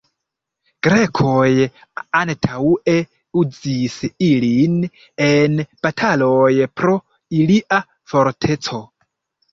Grekoj antaŭe uzis ilin en bataloj pro ilia forteco.